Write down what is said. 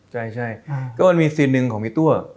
ใช่ก็มันมีซีนหนึ่งของพี่ตัว